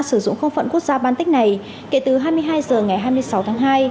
sử dụng không phận quốc gia baltic này kể từ hai mươi hai h ngày hai mươi sáu tháng hai